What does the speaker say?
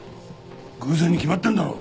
偶然に決まってんだろ！